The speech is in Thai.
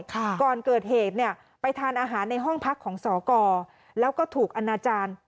ก่อนเกิดเหตุเนี่ยไปทานอาหารในห้องพักของสอกรแล้วก็ถูกอนาจารย์